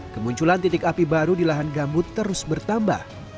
kemunculan titik api baru di lahan gambut terus bertambah